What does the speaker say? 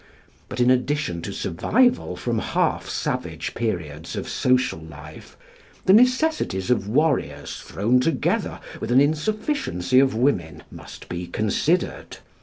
But, in addition to survival from half savage periods of social life, the necessities of warriors thrown together with an insufficiency of women must be considered.